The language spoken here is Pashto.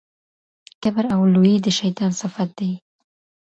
کبر او لويي د شيطان صفت دی.